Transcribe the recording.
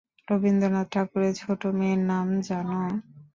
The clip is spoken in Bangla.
রবীন্দ্রনাথ ঠাকুরের ছোট মেয়ের নাম জান?